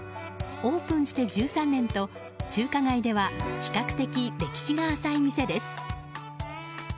オープンして１３年と中華街では比較的歴史が浅い店です。